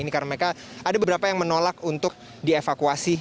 ini karena mereka ada beberapa yang menolak untuk dievakuasi